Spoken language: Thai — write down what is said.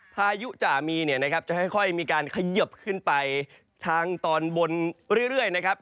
พายุจ่ามีเนี่ยนะครับจะค่อยมีการเขยิบขึ้นไปทางตอนบนเรื่อยนะครับ